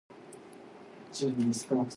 塵埃落定